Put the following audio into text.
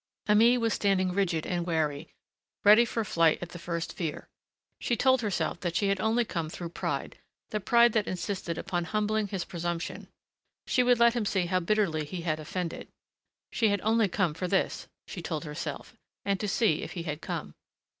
Aimée was standing rigid and wary, ready for flight at the first fear. She told herself that she had only come through pride, the pride that insisted upon humbling his presumption. She would let him see how bitterly he had offended.... She had only come for this, she told herself and to see if he had come.